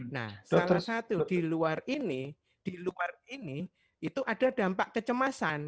nah salah satu di luar ini di luar ini itu ada dampak kecemasan